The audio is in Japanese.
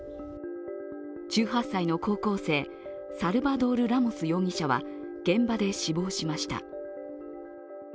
１８歳の高校生、サルバドール・ラモス容疑者は現場で死亡しました。